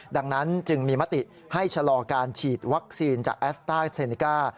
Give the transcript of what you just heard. ดังนั้นจึงมีมติให้ชะลอการฉีดวัคซีนจากแอสต้าเซนิก้า